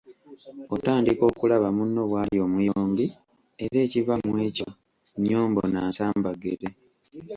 Otandika okulaba munno bwali omuyombi, era ekiva mu ekyo nnyombo na nsambaggere.